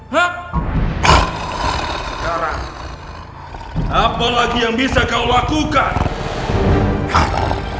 sekarang apa lagi yang bisa kau lakukan